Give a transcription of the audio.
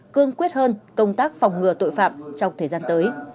cương quyết hơn công tác phòng ngừa tội phạm trong thời gian tới